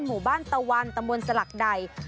หมู่บ้านตาวันตามวลศัล